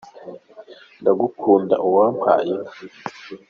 Ndagukunda uwampaye inka!